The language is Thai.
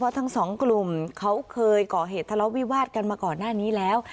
ทั้งสองกลุ่มเขาเคยก่อเหตุทะเลาะวิวาดกันมาก่อนหน้านี้แล้ว